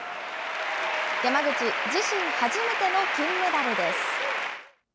山口、自身初めての金メダルです。